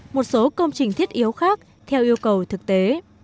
một số công trình thiết yếu khác theo yêu cầu thực tế